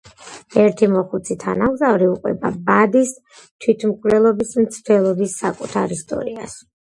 ერთი მოხუცი თანამგზავრი უყვება ბადის თვითმკვლელობის მცდელობის საკუთარ ისტორიას.